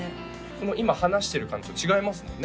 この今話してる感じと違いますもんね